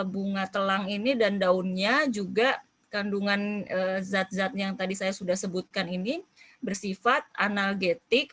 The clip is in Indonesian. bunga telang ini dan daunnya juga kandungan zat zat yang tadi saya sudah sebutkan ini bersifat analgetik